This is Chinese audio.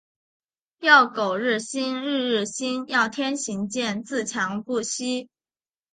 要苟日新，日日新。要天行健，自强不息。